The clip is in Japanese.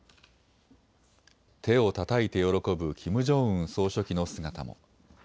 手をたたいて喜ぶキム・ジョンウン総書記の姿も。